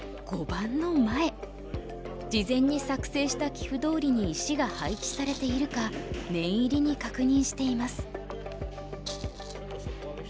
事前に作成した棋譜どおりに石が配置されているか念入りに確認しています。